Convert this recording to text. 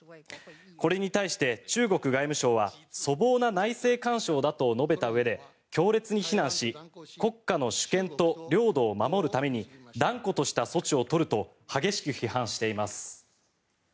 これに対して中国外務省は粗暴な内政干渉だと述べたうえで強烈に非難し国家の主権と領土を守るために断固とした措置を取ると激しく批判しています。